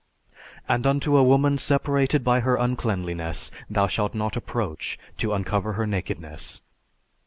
And unto a woman separated by her uncleanliness thou shalt not approach to uncover her nakedness.